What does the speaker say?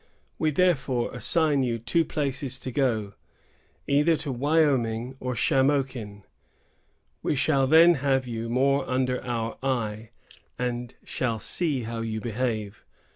We therefore assign you two places to go, either to Wyoming or Shamokin. We shall then have you more under our eye, and shall see how you behave.